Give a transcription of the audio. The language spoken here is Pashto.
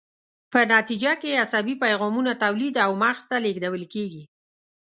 په نتیجه کې یې عصبي پیغامونه تولید او مغز ته لیږدول کیږي.